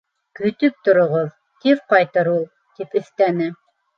— Көтөп тороғоҙ, тиҙ ҡайтыр ул, — тип өҫтәне.